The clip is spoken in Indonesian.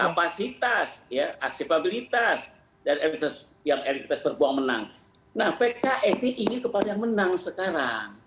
kapasitas ya aksepabilitas dan efek yang elititas berbuang menang nah pks ini ingin kepada yang menang sekarang